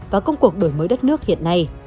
và công cuộc đổi mới đất nước hiện nay